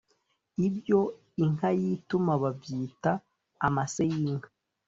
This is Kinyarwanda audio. Ibyo Inka yituma babyita amase y’inka